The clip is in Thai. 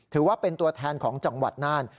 ถือว่าเป็นตัวแทนของจังหวัดน่าน